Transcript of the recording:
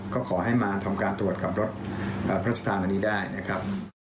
ก็ขอให้มาทำการตรวจกับรถพระราชทานวันนี้ได้นะครับ